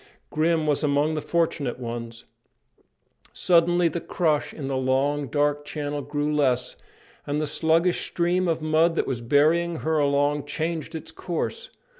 Grim was among the fortunate ones. Suddenly the crush in the long, dark channel grew less, and the sluggish stream of mud that was bearing her along changed its course.